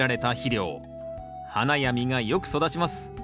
花や実がよく育ちます。